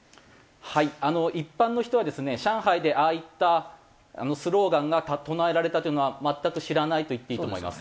はい一般の人はですね上海でああいったスローガンが唱えられたというのは全く知らないと言っていいと思います。